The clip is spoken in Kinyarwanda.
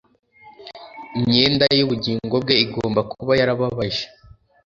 imyenda y'ubugingo bwe igomba kuba yarababaje